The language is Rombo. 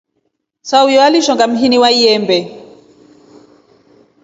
Sahuyo alishonga mhini wa lyembee.